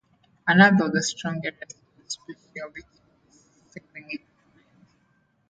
Another of the strong areas of specialty was sailing equipment.